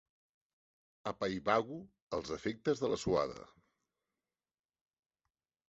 Apaivago els efectes de la suada.